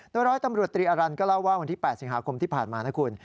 โดยร้อยตำรวจตรีอรันทร์ก็เล่าว่าวันที่๘สิงหาคมที่ผ่านมานะคุณ